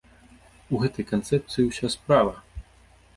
У гэтай канцэпцыі ўся справа!